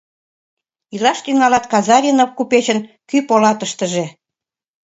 Илаш тӱҥалат Казаринов купечын кӱ полатыштыже.